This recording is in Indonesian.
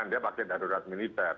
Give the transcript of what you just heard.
dia pakai darurat militer